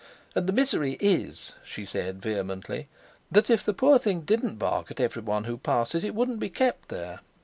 "And the misery is," she said vehemently, "that if the poor thing didn't bark at every one who passes it wouldn't be kept there.